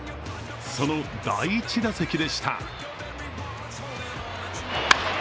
その第１打席でした。